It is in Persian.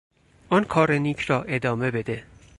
آن کار نیک را ادامه بده!